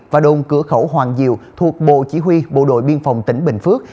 và đồn cửa khẩu hoàng diệu thuộc bộ chỉ huy bộ đội biên phòng tỉnh bình phước